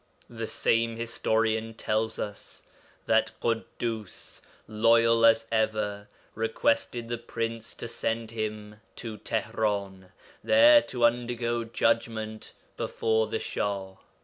The same historian tells us that Ḳuddus, loyal as ever, requested the Prince to send him to Tihran, there to undergo judgment before the Shah.